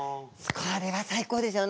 これは最高ですよ。